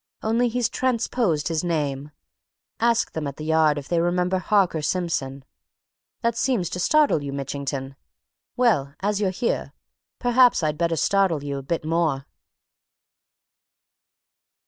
Only he's transposed his name ask them at the Yard if they remember Harker Simpson? That seems to startle you, Mitchington! Well, as you're here, perhaps I'd better startle you a bit more."